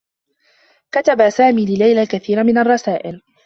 كتب سامي لليلى الكثير من الرّسائل.